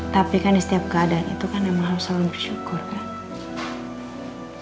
tapi kan di setiap keadaan itu kan emang elsa lebih bersyukur kan